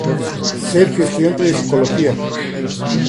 Sergio, estudiante de Psicología.